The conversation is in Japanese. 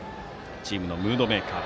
チームのムードメーカー。